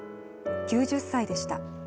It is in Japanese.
９０歳でした。